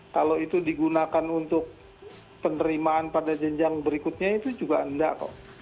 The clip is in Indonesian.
kalau itu digunakan untuk penerimaan pada jenjang berikutnya itu juga enggak kok